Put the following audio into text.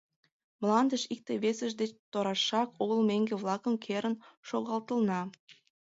Мландыш икте-весышт деч торашак огыл меҥге-влакым керын шогалтылна.